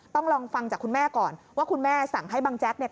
ต้องลองฟังจากคุณแม่ก่อนว่าคุณแม่สั่งให้บังแจ๊กเนี่ย